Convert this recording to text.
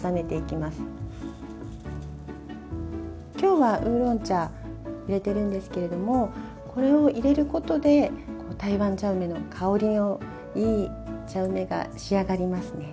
きょうはウーロン茶入れてるんですけれどもこれを入れることで台湾茶梅の香りのいい茶梅が仕上がりますね。